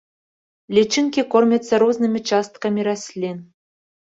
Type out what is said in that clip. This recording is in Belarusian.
Лічынкі кормяцца рознымі часткамі раслін.